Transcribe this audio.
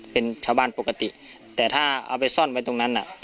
เป็นชาวบ้านปกติแต่ถ้าเอาไปซ่อนไว้ตรงนั้นน่ะ